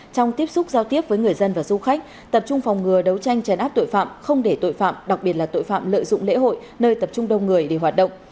trong tiếp xúc giao tiếp với người dân và du khách tập trung phòng ngừa đấu tranh chấn áp tội phạm không để tội phạm đặc biệt là tội phạm lợi dụng lễ hội nơi tập trung đông người để hoạt động